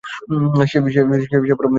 সে বড়ো মেয়ের বিপরীত বলিলেই হয়।